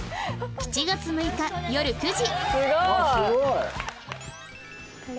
７月６日よる９時